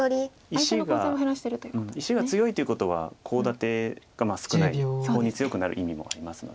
石が強いということはコウ立てが少ないコウに強くなる意味もありますので。